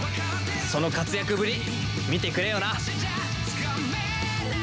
その活躍ぶり見てくれよな！